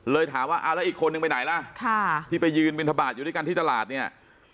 ถามว่าเอาแล้วอีกคนนึงไปไหนล่ะที่ไปยืนบินทบาทอยู่ด้วยกันที่ตลาดเนี่ย